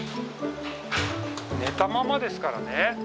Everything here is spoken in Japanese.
寝たまんまですからね。